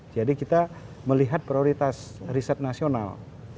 jadi kita melihat prioritas riset nasional